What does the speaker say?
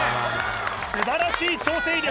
素晴らしい調整力